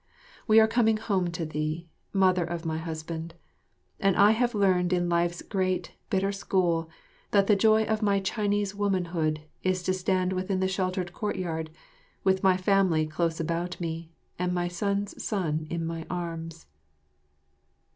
We are coming home to thee, Mother of my husband, and I have learned in life's great, bitter school that the joy of my Chinese woman hood is to stand within the sheltered courtyard, with my family close about me, and my son's son in my arms.